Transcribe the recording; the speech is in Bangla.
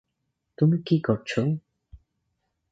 তুমি কী করেছ?